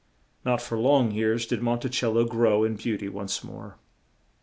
Not for long years did Mon ti cel lo grow in beau ty once more.